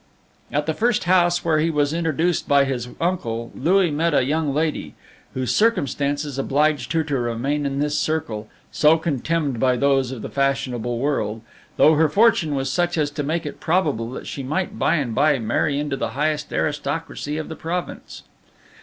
At the first house where he was introduced by his uncle, Louis met a young lady, whose circumstances obliged her to remain in this circle, so contemned by those of the fashionable world, though her fortune was such as to make it probable that she might by and by marry into the highest aristocracy of the province.